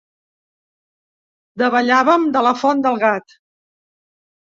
Davallàvem de la Font del Gat.